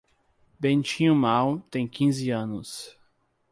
Bentinho mal tem quinze anos.